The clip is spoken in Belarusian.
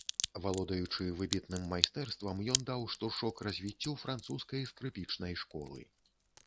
Валодаючы выбітным майстэрствам, ён даў штуршок развіццю французскай скрыпічнай школы.